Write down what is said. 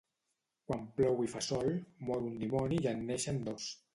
Quan plou i fa sol, mor un dimoni i en neixen dos.